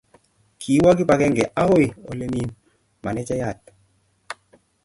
kiwo kibagenge akoi ole mi manejayat